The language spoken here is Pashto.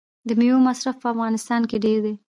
د میوو مصرف په افغانستان کې ډیر دی.